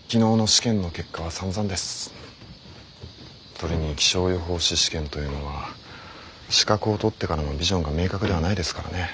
それに気象予報士試験というのは資格を取ってからのビジョンが明確ではないですからね。